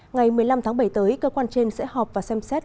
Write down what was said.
ngày một mươi năm tháng bảy tới cơ quan trên sẽ họp và xét nghiệm